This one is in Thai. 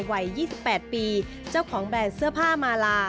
วัย๒๘ปีเจ้าของแบรนด์เสื้อผ้ามาลา